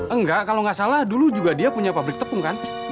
enggak kalau nggak salah dulu juga dia punya pabrik tepung kan